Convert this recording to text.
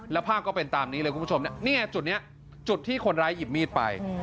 แล้วภาพก็เป็นตามนี้เลยคุณผู้ชมนี่ไงจุดนี้จุดที่คนร้ายหยิบมีดไป